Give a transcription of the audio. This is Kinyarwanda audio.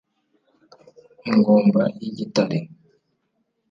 ingumba y’igitare